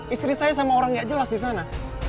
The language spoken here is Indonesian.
istri saya sama orang yang gak jelas disana